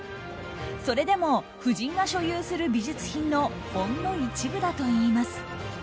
それでも夫人が所有する美術品のほんの一部だといいます。